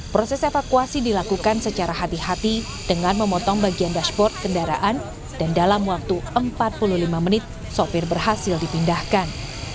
proses evakuasi dilakukan secara hati hati dengan memotong bagian dashboard kendaraan dan dalam waktu empat puluh lima menit sopir berhasil dipindahkan